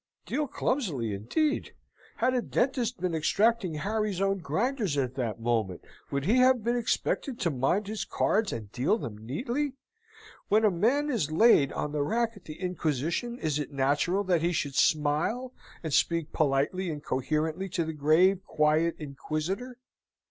Deal clumsily indeed! Had a dentist been extracting Harry's own grinders at that moment, would he have been expected to mind his cards and deal them neatly? When a man is laid on the rack at the Inquisition, is it natural that he should smile and speak politely and coherently to the grave, quiet Inquisitor?